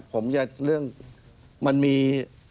ผมจะเรื่องมันมี